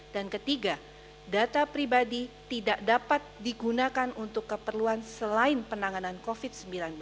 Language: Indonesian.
dan ketiga data pribadi tidak dapat digunakan untuk keperluan selain penanganan covid sembilan belas